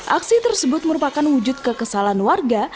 aksi tersebut merupakan wujud kekesalan warga